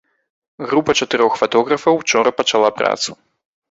Група чатырох фатографаў учора пачала працу.